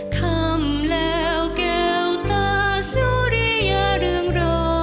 คำแล้วแก้วตาสุริยาเรืองรอ